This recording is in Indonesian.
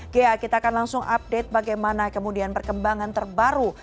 ghea kita akan langsung update bagaimana kemudian perkembangan terbaru